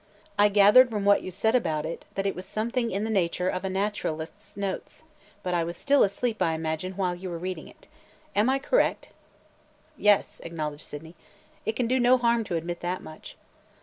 I gathered from what you said about it that it was something in the nature of a naturalist's notes, but I was still asleep, I imagine, while you were reading it. Am I correct?" "Yes," acknowledged Sydney. "It can do no harm to admit that much."